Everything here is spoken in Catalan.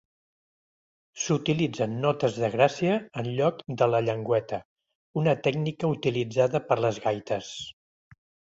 S'utilitzen notes de gràcia en lloc de la llengüeta, una tècnica utilitzada per les gaites.